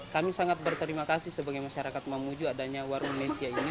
kami sangat berterima kasih sebagai masyarakat mamuju adanya warung nesia ini